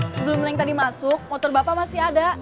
sebelum link tadi masuk motor bapak masih ada